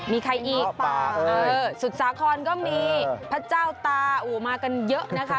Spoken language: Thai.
มีใครอีกสุดสาครก็มีพระเจ้าตาอู๋มากันเยอะนะคะ